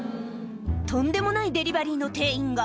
とんでもないデリバリーの店員が。